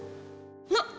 なっ！